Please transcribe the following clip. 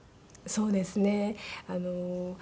そうですね。